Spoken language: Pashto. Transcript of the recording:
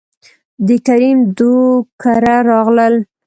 دکريم دو کره راغلل،